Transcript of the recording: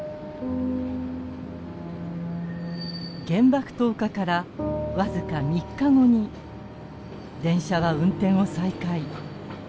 原爆投下から僅か３日後に電車は運転を再開。